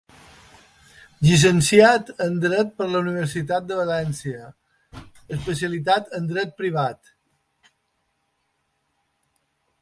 Llicenciat en dret per la Universitat de València, especialitzat en dret privat.